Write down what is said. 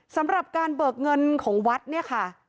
สำหรับการเบิกเงินของวัดเนี่ยค่ะ